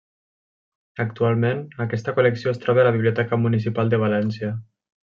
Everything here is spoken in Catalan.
Actualment aquesta col·lecció es troba a la Biblioteca Municipal de València.